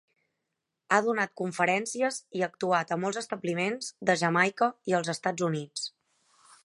Ha donat conferències i actuat a molts establiments de Jamaica i els Estats Units.